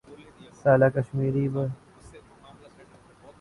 سالہ کشمیری بچے نے شین وارن کا دل جیت لیا